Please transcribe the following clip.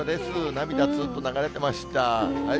涙つーっと流れてました。